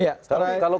ya tapi kalau